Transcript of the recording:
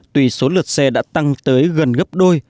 tùy số lượt xe đã tăng tới gần gấp đôi